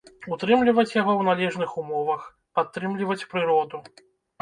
Утрымліваць яго ў належных умовах, падтрымліваць прыроду.